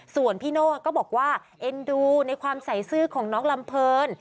ส่วนพี่โน่ก็บอกว่าเอ็นดูในความใส่ซื่อของน้องลำเพลิน